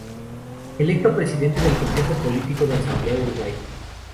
Electo presidente del Consejo Político de Asamblea Uruguay.